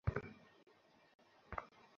আপনি রেহান কে গল্প কখনও শোনান না।